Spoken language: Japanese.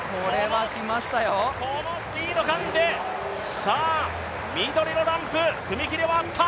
このスピード感で、緑のランプ、踏み切りは合った。